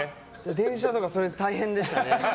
電車とか、大変でしたね。